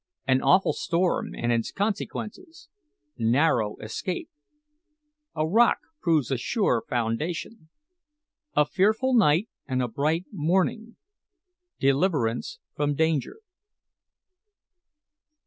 AN AWFUL STORM AND ITS CONSEQUENCES NARROW ESCAPE A ROCK PROVES A SURE FOUNDATION A FEARFUL NIGHT AND A BRIGHT MORNING DELIVERANCE FROM DANGER.